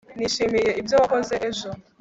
nishimiye ibyo wakoze ejo